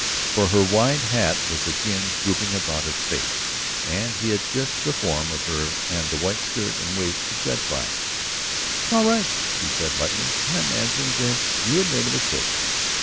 For her wide hat was again drooping about her face, and he had had just the form of her and the white skirt and waist to judge by. "It is all right," she said lightly. "I imagined that you had made a mistake."